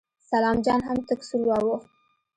سلام جان هم تک سور واوښت.